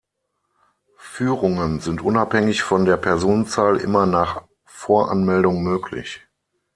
Führungen sind unabhängig von der Personenzahl immer nach Voranmeldung möglich.